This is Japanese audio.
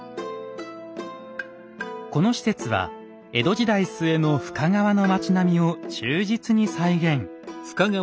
この施設は江戸時代末の深川の町並みを忠実に再現。